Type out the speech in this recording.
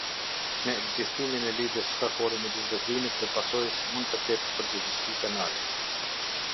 Me ekzistimin e lidhjes shkakore midis veprimit dhe pasojës, mund te ketë përgjegjësi penale.